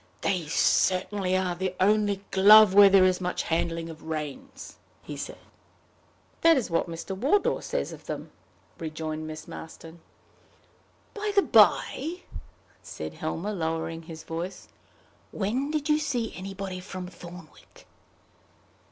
"They certainly are the only glove where there is much handling of reins," he said. "That is what Mr. Wardour says of them," rejoined Miss Marston. "By the by," said Helmer, lowering his voice, "when did you see anybody from Thornwick?"